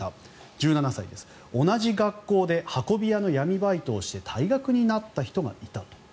１７歳、同じ学校で運び屋の闇バイトをして退学になった人がいたと。